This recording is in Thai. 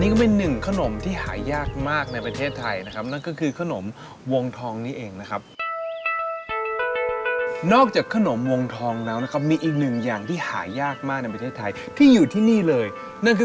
เขาเรียกโดนัสเมืองไทยอย่างนี้ครับ